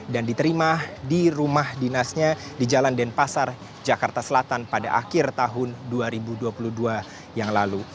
dan diterima di rumah dinasnya di jalan denpasar jakarta selatan pada akhir tahun dua ribu dua puluh dua yang lalu